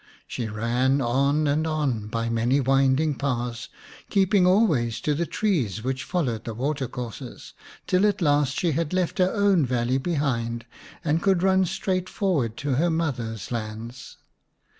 She ran on and on by many winding paths, keeping always to the trees which followed the water courses, till at last she had left her own valley behind and could run straight forward to her mother's lands.